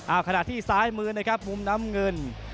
เอาขณะที่ซ้ายมือนะครับมุมน้ำเงิน